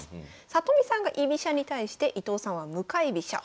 里見さんが居飛車に対して伊藤さんは向かい飛車。